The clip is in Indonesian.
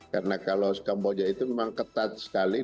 karena kalau kamboja itu memang ketat sekali